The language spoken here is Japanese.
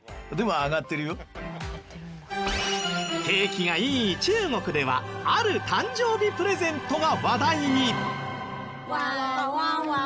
景気がいい中国ではある誕生日プレゼントが話題に！